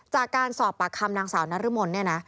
จากการสอบปากคำนางสาวนรมนเนี่ยนะ